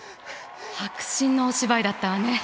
迫真のお芝居だったわね。